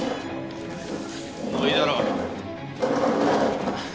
もういいだろ。